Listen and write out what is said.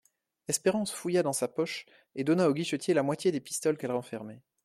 Espérance fouilla dans sa poche et donna au guichetier la moitié des pistoles qu'elle renfermait.